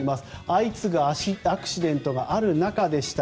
相次ぐアクシデントがある中でした。